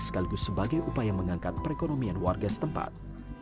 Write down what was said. sekaligus sebagai upaya mengangkat perekonomian warga setempat